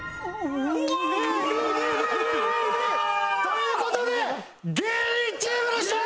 うわー！という事で芸人チームの勝利！